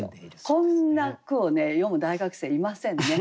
こんな句をね詠む大学生いませんね。